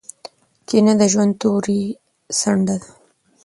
کینه د ژوند توري څنډه ده.